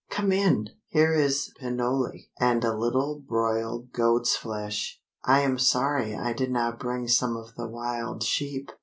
Come in! Here is pinole, and a little broiled goat's flesh. I am sorry I did not bring some of the wild sheep.